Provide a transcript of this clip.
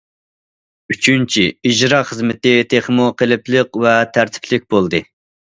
ئۈچىنچى، ئىجرا خىزمىتى تېخىمۇ قېلىپلىق ۋە تەرتىپلىك بولدى.